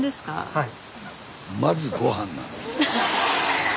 はい。